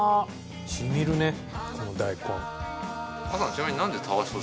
染みるねこの大根。